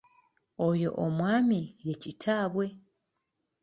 Oyo omwami ye Kitaabwe.